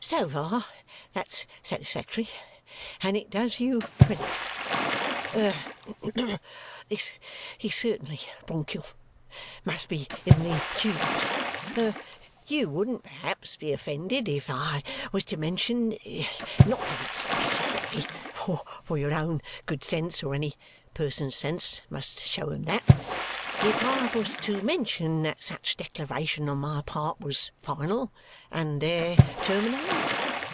"So far that's satisfactory, and it does you credit. Er this is certainly bronchial! must be in the tubes er you wouldn't perhaps be offended if I was to mention not that it's necessary, for your own good sense or any person's sense must show 'em that if I was to mention that such declaration on my part was final, and there terminated?"